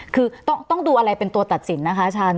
คือต้องดูอะไรเป็นตัวตัดสินนะคะอาจารย์